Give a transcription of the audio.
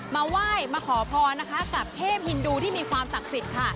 มาไหว้มาขอพรนะคะกับเทพฮินดูที่มีความศักดิ์สิทธิ์ค่ะ